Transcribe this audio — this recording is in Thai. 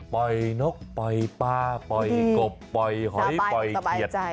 นกปล่อยปลาปล่อยกบปล่อยหอยปล่อยเขียด